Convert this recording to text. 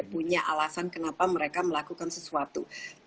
punya alasan kenapa mereka melakukan sesuatu